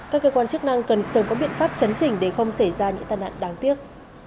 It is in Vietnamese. các cơ quan chức năng cần sớm có biện pháp chấn chỉnh để không xảy ra những tàn nạn đáng tiếc